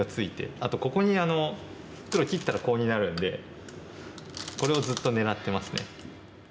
あとここに黒切ったらコウになるんでこれをずっと狙ってますね。